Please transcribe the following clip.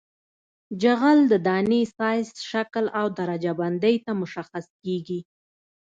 جغل د دانې سایز شکل او درجه بندۍ ته مشخص کیږي